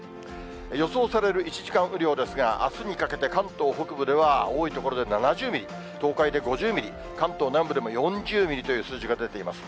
予想される１時間雨量ですが、あすにかけて、関東北部では多い所で７０ミリ、東海で５０ミリ、関東南部でも４０ミリという数字が出ています。